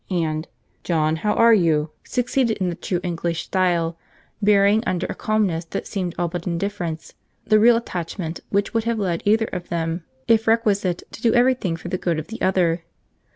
and "John, how are you?" succeeded in the true English style, burying under a calmness that seemed all but indifference, the real attachment which would have led either of them, if requisite, to do every thing for the good of the other.